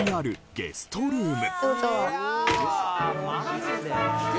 ゲストルーム。